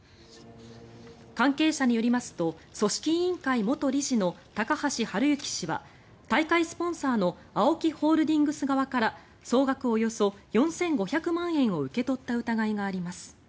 関係者によりますと組織委員会元理事の高橋治之氏は大会スポンサーのＡＯＫＩホールディングス側から総額およそ４５００万円を受け取った疑いがあります。